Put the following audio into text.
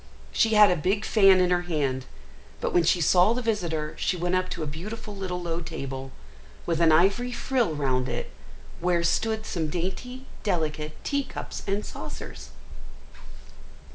She had a big fan in her hand, but when she saw the visitor she went up to a beautiful little low table, with an ivory frill round it, where stood some dainty, delicate tea cups and saucers.